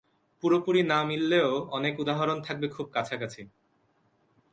পুরোপুরি নামিললেও অনেক উদাহরণ থাকবে খুব কাছাকাছি।